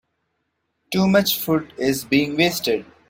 Too much food is being wasted.